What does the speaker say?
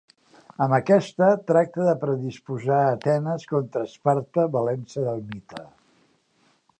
Amb aquesta, tracta de predisposar Atenes contra Esparta valent-se del mite.